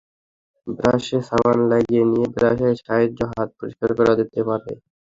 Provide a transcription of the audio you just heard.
ব্রাশে সাবান লাগিয়ে নিয়ে ব্রাশের সাহায্যে হাত পরিষ্কার করা যেতে পারে।